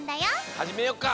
はじめよっか！